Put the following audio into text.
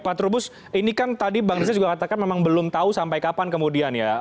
pak trubus ini kan tadi bang riza juga katakan memang belum tahu sampai kapan kemudian ya